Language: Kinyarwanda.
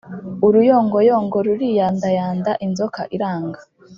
» uruyongoyongo ruriyandayanda inzoka iranga